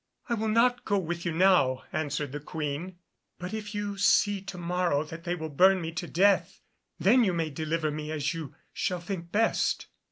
"I will not go with you now," answered the Queen, "but if you see to morrow that they will burn me to death, then you may deliver me as you shall think best."